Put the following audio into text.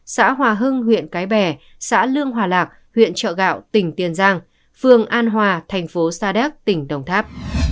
xã hòa hưng huyện cái bè xã lương hòa lạc huyện chợ gạo tỉnh tiền giang phường an hòa thành phố sa đéc tỉnh đồng tháp